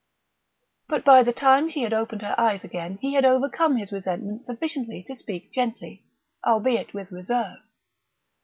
But by the time she had opened her eyes again he had overcome his resentment sufficiently to speak gently, albeit with reserve.